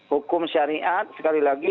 hukum syariat sekali lagi